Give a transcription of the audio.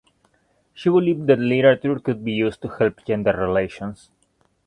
She believed that literature could be used to help gender relations.